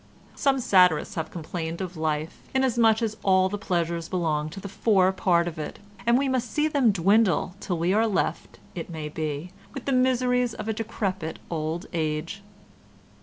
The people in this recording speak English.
Some satirists have complained of life inasmuch as all the pleasures belong to the fore part of it and we must see them dwindle till we are left, it may be, with the miseries of a decrepit old age.